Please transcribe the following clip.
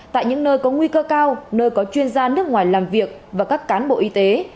tại những nơi có nguy cơ cao nơi có chuyên gia nước ngoài làm việc và các cán bộ y tế